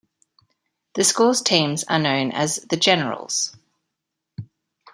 The school's teams are known as the "Generals".